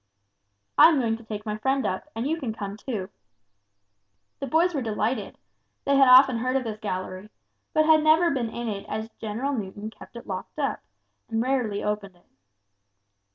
"I am going to take my friend up, and you can come, too." The boys were delighted; they had often heard of this gallery, but had never been in it as General Newton kept it locked up, and very rarely opened it.